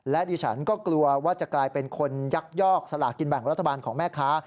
และดิฉันก็กลัวว่าจะกลายเป็นคนยักยอกสลากินแบ่งรัฐบาลของแม่ค้า